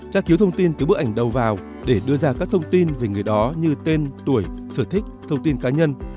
tra cứu thông tin từ bức ảnh đầu vào để đưa ra các thông tin về người đó như tên tuổi sở thích thông tin cá nhân